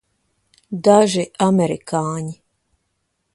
Daži amerikāņi.